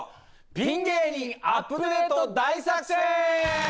「ピン芸人アップデート大作戦」。